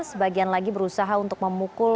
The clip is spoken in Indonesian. sebagian lagi berusaha untuk memukul